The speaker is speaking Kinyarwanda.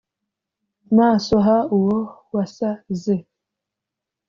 maso h uwo was ze